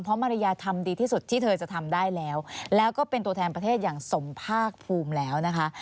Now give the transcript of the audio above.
เพราะมารยาทำดีที่สุดที่เธอจะทำได้แล้วแล้วก็เป็นตัวแทนประเทศอย่างสมภาคภูมิแล้วนะคะ